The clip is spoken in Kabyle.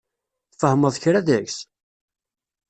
Tfehmeḍ kra deg-s?